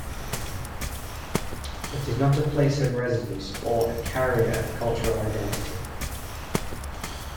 It is not a 'place' of residence or a carrier of cultural identity.